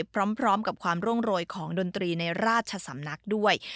พร้อมกับความร่วงโรยของดนตรีในราชสำนักด้วย